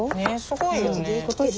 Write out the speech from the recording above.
すごいよね。